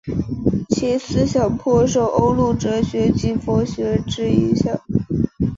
其思想颇受欧陆哲学及佛学之影响。